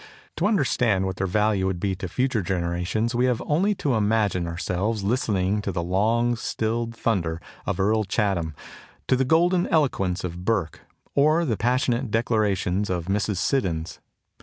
To understand what their value would be to future generations we have only to imagine ourselves listening to the long stilled thunder of Earl Chatham, to the golden eloquence of Burke, or the passionate declamations of Mrs. Siddons.